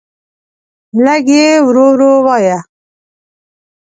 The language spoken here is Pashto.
لږ یی ورو ورو وایه